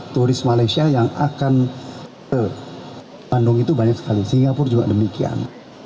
turis malaysia yang akan ke bandung itu banyak sekali singapura juga demikian